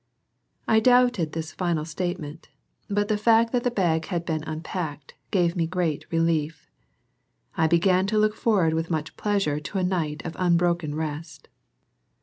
I doubted this final statement, but the fact that the bag had been unpacked gave me great relief. I began to look forward with much pleasure to a night of unbroken rest.